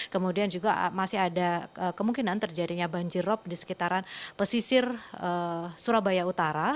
kemudian juga masih ada kemungkinan terjadinya banjirop di sekitaran pesisir surabaya utara